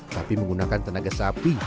tapi menggunakan tenaga sapi